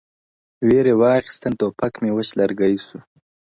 • ویري واخیستم توپک مي وچ لرګی سو -